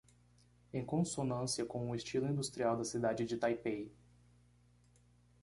Em consonância com o estilo industrial da cidade de Taipei